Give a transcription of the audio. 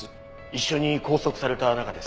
一緒に拘束された仲です